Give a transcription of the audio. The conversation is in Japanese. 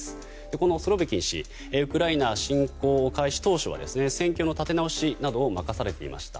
このスロビキン氏ウクライナ侵攻開始当初は戦況の立て直しなどを任されていました。